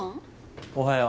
おはよう。